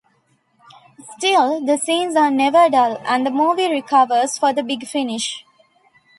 Still, the scenes are never dull, and the movie recovers for the big finish.